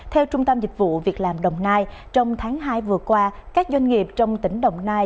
theo trung tâm dịch vụ việc làm đồng nai trong tháng hai vừa qua các doanh nghiệp trong tỉnh đồng nai